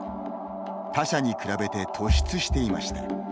他社に比べて突出していました。